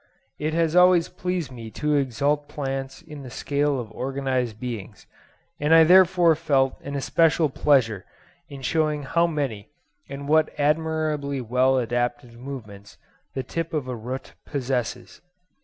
It has always pleased me to exalt plants in the scale of organised beings; and I therefore felt an especial pleasure in showing how many and what admirably well adapted movements the tip of a root possesses.